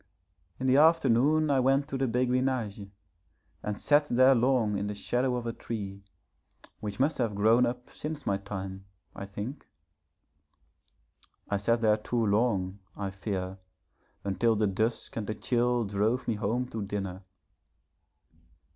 In the afternoon I went to the Béguinage, and sat there long in the shadow of a tree, which must have grown up since my time, I think. I sat there too long, I fear, until the dusk and the chill drove me home to dinner.